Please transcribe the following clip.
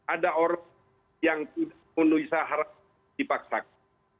ada orang yang memenuhi syarat dipaksakan